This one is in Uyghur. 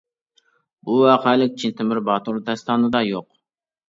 بۇ ۋەقەلىك «چىن تۆمۈر باتۇر» داستانىدا يوق.